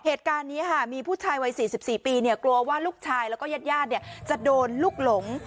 เหตุการณ์นี้ค่ะมีผู้ชายวัยสี่สิบสี่ปีเนี่ยกลัวว่าลูกชายแล้วก็ญาติญาติเนี่ยจะโดนลูกหลง